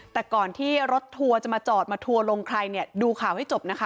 แต่ก่อนที่รถทัวร์จะมาจอดมาทัวร์ลงใครเนี่ยดูข่าวให้จบนะคะ